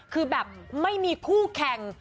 คือแบบไม่มีคู่แข่ง